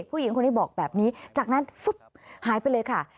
ผู้หญิงคนนี้บอกแบบนี้จากนั้นฟุบหายไปเลยค่ะ